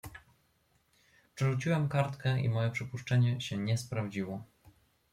"Przerzuciłem kartkę i moje przypuszczenie się nie sprawdziło."